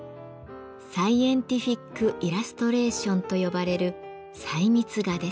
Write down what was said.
「サイエンティフィックイラストレーション」と呼ばれる細密画です。